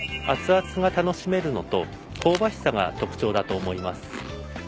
熱々が楽しめるのと香ばしさが特徴だと思います。